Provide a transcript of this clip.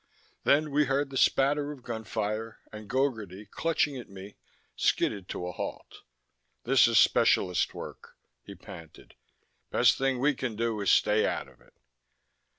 Then we heard the spatter of gunfire and Gogarty, clutching at me, skidded to a halt. "This is specialist work," he panted. "Best thing we can do is stay out of it."